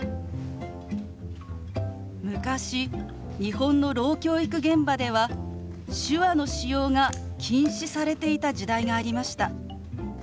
昔日本のろう教育現場では手話の使用が禁止されていた時代がありました。